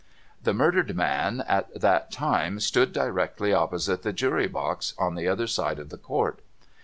The murdered man at that time stood directly opposite the Jury box, on the other side of the Court.